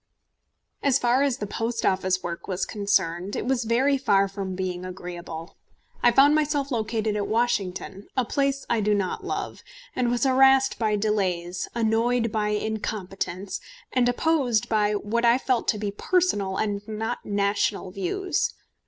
As far as the Post Office work was concerned, it was very far from being agreeable. I found myself located at Washington, a place I do not love, and was harassed by delays, annoyed by incompetence, and opposed by what I felt to be personal and not national views.